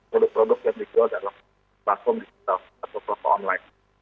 produk produk yang dijual dalam platform digital atau platform online